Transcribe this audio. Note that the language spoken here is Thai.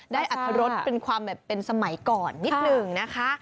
ได้อัดทรสเป็นความสมัยก่อนนิดหนึ่งนะคะ